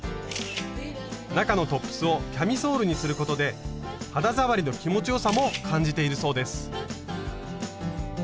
中のトップスをキャミソールにすることで肌触りの気持ちよさも感じているそうです。